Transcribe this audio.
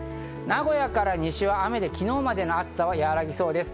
名古屋から西は雨で、昨日までの暑さは和らぎそうです。